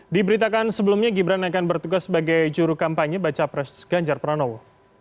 diberitakan sebelumnya gibran akan bertugas sebagai juru kampanye baca pres ganjar pranowo